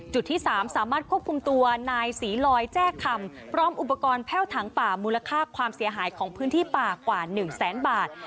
ที่๓สามารถควบคุมตัวนายศรีลอยแจ้คำพร้อมอุปกรณ์แพ่วถังป่ามูลค่าความเสียหายของพื้นที่ป่ากว่า๑แสนบาท